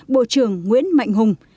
bộ trưởng nguyễn mạnh hùng